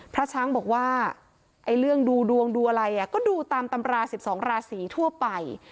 พระช้างบอกว่าเรื่องดูดวงดูอะไรก็ดูตามตำรา๑๒ราศีทั่วไป